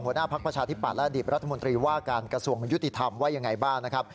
หัวหน้าภาคประชาธิปราศน์อดีตรัฐมนตรีว่าการกระทรวงยุติธรรมว่ายังไงบ้าง